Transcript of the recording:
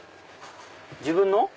自分の？